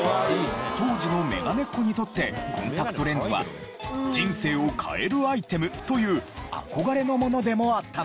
当時のメガネっ子にとってコンタクトレンズは人生を変えるアイテムという憧れのものでもあったのです。